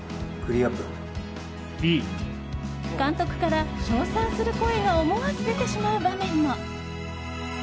監督から称賛する声が思わず出てしまう場面も。